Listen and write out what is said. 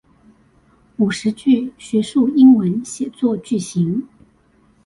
五十句學術英文寫作句型